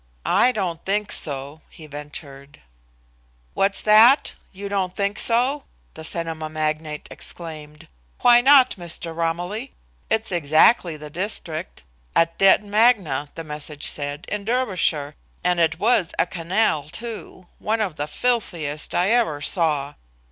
"I don't think so," he ventured. "What's that? You don't think so?" the cinema magnate exclaimed. "Why not, Mr. Romilly? It's exactly the district at Detton Magna, the message said, in Derbyshire and it was a canal, too, one of the filthiest I ever saw.